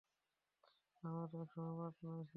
আমরা তো একসময়ে পার্টনার ছিলাম।